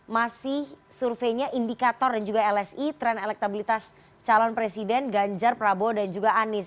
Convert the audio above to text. masih surveinya indikator dan juga lsi tren elektabilitas calon presiden ganjar prabowo dan juga anies